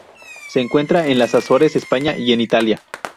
Se encuentra en las Azores, España y en Italia.